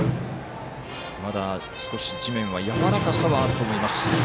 まだ少し地面はやわらかさはあると思います。